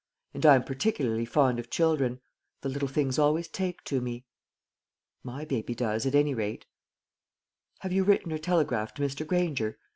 And I am particularly fond of children; the little things always take to me." "My baby does, at any rate." "Have you written or telegraphed to Mr. Granger?"